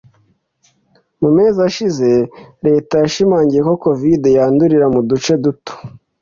Mu mezi ashize retayashimangiye ko Covid yandurira mu duce duto